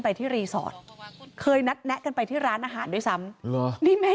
ไปที่รีสอร์ทเคยนัดแนะกันไปที่ร้านอาหารด้วยซ้ำ